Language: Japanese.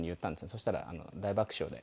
そしたら大爆笑で。